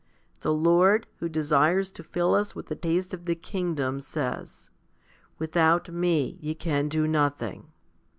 The Lord, who desires to fill us with the taste of the kingdom, says, With out Me ye can do nothing.